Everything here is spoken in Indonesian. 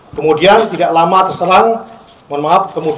kemudian tidak lama terselang datang beberapa orang yang mencari tahu apa yang terjadi